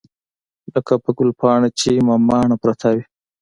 لکه په ګلپاڼه چې مماڼه پرته وي.